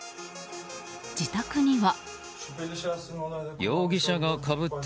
自宅には。